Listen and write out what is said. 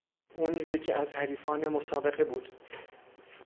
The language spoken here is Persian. او نیز یکی از حریفان مسابقه بود.